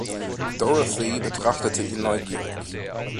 Dorothy betrachtete ihn neugierig.